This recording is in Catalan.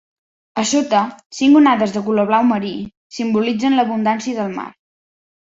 A sota, cinc onades de color blau marí simbolitzen l'abundància del mar.